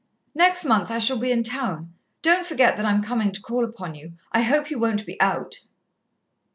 "Next month I shall be in town. Don't forget that I am coming to call upon you. I hope you won't be 'out'!"